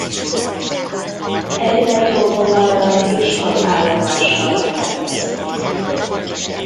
Egy metróvonallal és hat állomással rendelkezik.